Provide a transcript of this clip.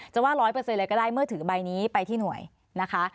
ว่า๑๐๐เลยก็ได้เมื่อถือใบนี้ไปที่หน่วยนะคะ